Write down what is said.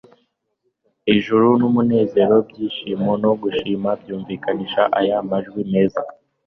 ijuru n'umunezero mwinshi no gushima byumvikanisha aya majwi meza